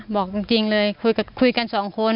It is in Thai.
บอกจริงเลยคุยกันคุยกันสองคน